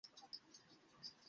তিনি মূর্তিটিকে খুব যত্ন করতেন।